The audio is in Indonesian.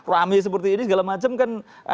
rame seperti ini segala macam kan